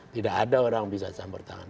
tidak ada orang bisa campur tangan